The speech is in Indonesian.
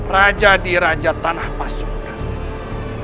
raja diraja tanah pasukan